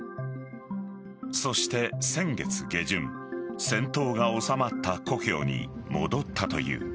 そして、先月下旬戦闘が収まった故郷に戻ったという。